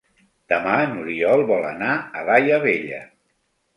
Demà n'Oriol vol anar a Daia Vella.